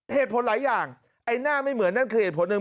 เหตุผลหลายอย่างไอ้หน้าไม่เหมือนนั่นคือเหตุผลหนึ่ง